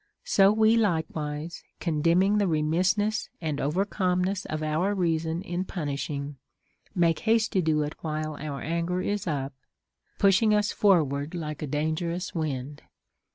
So Λνο like wise, condemning the remissness and over calmness of our reason in punishing, make haste to do it while our anger is up, pushing us forward like a dangerous wind.